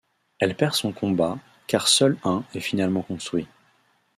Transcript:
Elle perd son combat, car seul un est finalement construit.